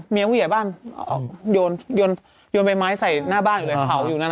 มีผู้หญ่าบ้านยนต์ใบไม้ใส่หน้าบ้านเผาอยู่นั่น